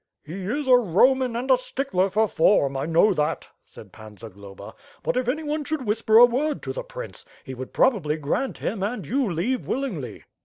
*^e is a Roman and a stickler for form, I know that," sadd Pan Zagloba, "but if anyone should whisper a word to the prince, he would probably grant him and you leave willingly."